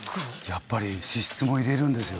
やっぱり脂質も入れるんですよ。